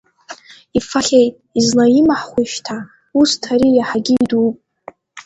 Ифахьеит, излаимаҳхуеи шьҭа, усҭ ари иаҳагьы идууп…